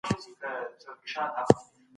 تخلیقي ادب د تحقیقي ادب په پرتله ډېر هنري دی.